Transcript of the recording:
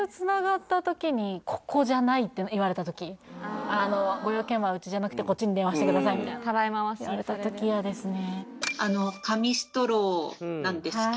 あるあるって言われた時ご用件はうちじゃなくてこっちに電話してくださいみたいな言われた時嫌ですね